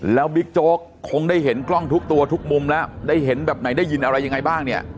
แล้วบิ๊กโจ๊กคงได้เห็นกล้องทุกตัวทุกมุมแล้วได้เห็นแบบไหนได้ยินอะไรยังไงบ้างเนี่ย